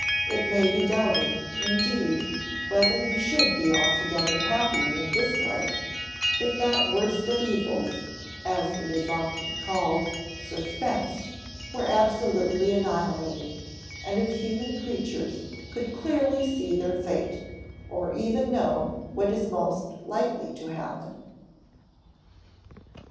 It may be doubted, indeed, whether we should be altogether happier in this life if that worst of evils, as it is often called, suspense, were absolutely annihilated, and if human creatures could clearly see their fate, or even know what is most likely to happen.